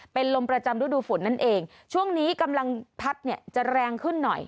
เป็นลมประจำฤดูฝนนั่นเองช่วงนี้กำลังพัดเนี่ยจะแรงขึ้นหน่อย